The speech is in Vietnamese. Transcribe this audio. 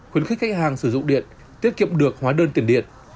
khuyến khích khách hàng sử dụng điện tiết kiệm được hóa đơn tiền điện